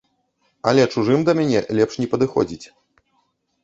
Але чужым да мяне лепш не падыходзіць.